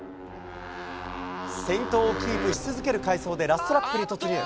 先頭をキープし続ける快走で、ラストラップに突入。